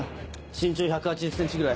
身長１８０ｃｍぐらい。